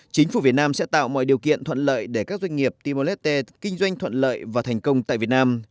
chính phủ việt nam sẽ tạo mọi điều kiện thuận lợi để các doanh nghiệp timor leste kinh doanh thuận lợi và thành công tại việt nam